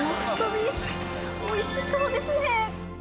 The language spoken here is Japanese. おいしそうですね。